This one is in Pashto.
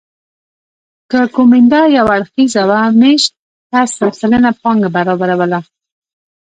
که کومېندا یو اړخیزه وه مېشت کس سل سلنه پانګه برابروله